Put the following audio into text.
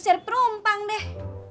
jadi perumpang deh